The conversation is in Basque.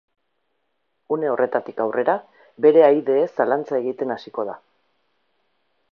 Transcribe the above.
Une horretatik aurrera, bere ahaideez zalantza egiten hasiko da.